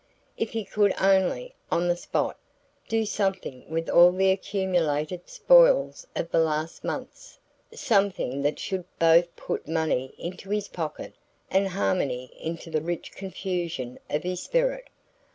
If he could only, on the spot, do something with all the accumulated spoils of the last months something that should both put money into his pocket and harmony into the rich confusion of his spirit!